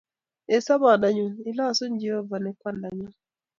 Ee, sobondo nyun, ilosu Jehovah ne Kwandanyo